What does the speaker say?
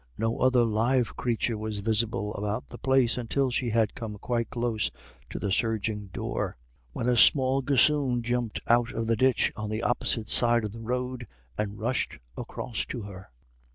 No other live creature was visible about the place, until she had come quite close to the surging door, when a small gossoon jumped up out of the ditch on the opposite side of the road and rushed across to her.